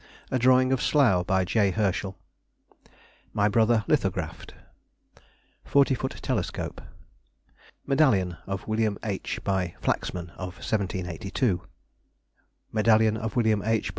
A drawing of Slough, by J. Herschel. My Brother, Lithographed. Forty foot Telescope. Medallion of Wm. H., by Flaxman, of 1782. Medallion of Wm. H.